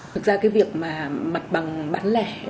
thực ra cái việc mà mặt bằng bán lẻ